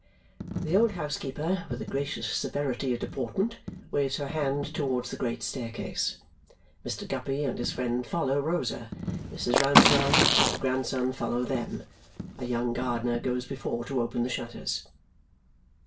The old housekeeper, with a gracious severity of deportment, waves her hand towards the great staircase. Mr. Guppy and his friend follow Rosa; Mrs. Rouncewell and her grandson follow them; a young gardener goes before to open the shutters.